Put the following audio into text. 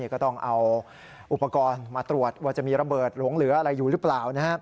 ก็ต้องเอาอุปกรณ์มาตรวจว่าจะมีระเบิดหลงเหลืออะไรอยู่หรือเปล่า